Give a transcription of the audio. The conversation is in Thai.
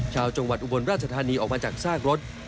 ชาวจังหวัดอุบลราชธานีออกมาจากซากรถ